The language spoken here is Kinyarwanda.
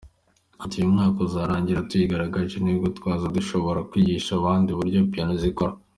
Ati “Uyu mwaka uzarangira twayirangije ni bwo tuzaba dushobora kwigisha abandi uburyo piano zikorwa.